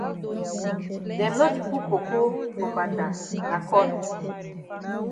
Dem no di put coco for mbanda na corn.